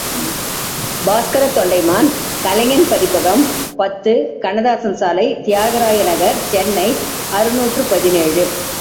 பாஸ்கரத்தொண்டைமான் கலைஞன் பதிப்பகம் பத்து, கண்ணதாசன் சாலை தியாகராய நகர் சென்னை அறுநூறு பதினேழு .